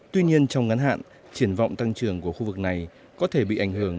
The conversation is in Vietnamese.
tuy nhiên trong ngắn hạn triển vọng tăng trưởng của khu vực này có thể bị ảnh hưởng